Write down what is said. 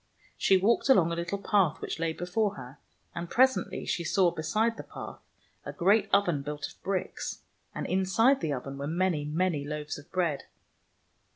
She walked along a little path which lay before her, and presently she saw, beside the path, a great oven built of bricks, and inside the oven were many, many loaves of bread.